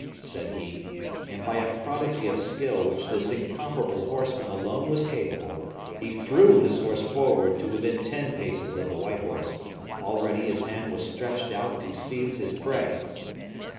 said he; and by a prodigy of skill which this incomparable horseman alone was capable, he threw his horse forward to within ten paces of the white horse; already his hand was stretched out to seize his prey.